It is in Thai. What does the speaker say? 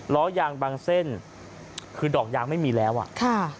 ล้อยางบางเส้นคือดอกยางไม่มีแล้วอ่ะค่ะ